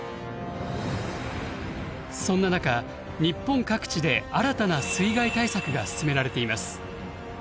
そんな中日本各地で新たな水害対策が進められています。